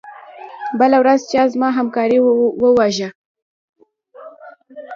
بله ورځ چا زما همکار وواژه.